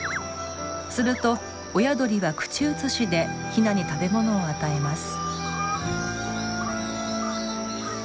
すると親鳥は口移しでヒナに食べ物を与えます。